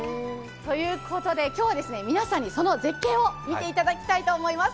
今日は皆さんにその絶景を見ていただきたいと思います。